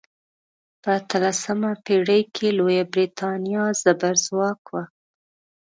په اتلسمه پیړۍ کې لویه بریتانیا زبرځواک وه.